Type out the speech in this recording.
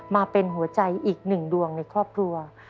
มาเป็นหัวใจอีกหนึ่งดวงในครอบครัว